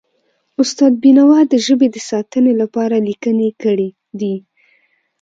استاد بینوا د ژبې د ساتنې لپاره لیکنې کړی دي.